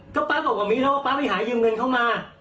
ก็ป๊าบอกว่ามีเท่าว่าป๊าไปหายืมเงินเข้ามา